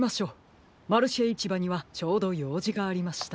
マルシェいちばにはちょうどようじがありました。